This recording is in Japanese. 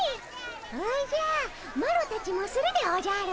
おじゃマロたちもするでおじゃる。